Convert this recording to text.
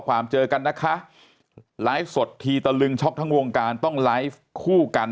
เจอกันนะคะไลฟ์สดทีตะลึงช็อกทั้งวงการต้องไลฟ์คู่กัน